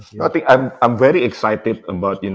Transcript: saya sangat teruja dengan